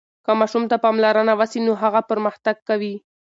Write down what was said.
که ماشوم ته پاملرنه وسي نو هغه پرمختګ کوي.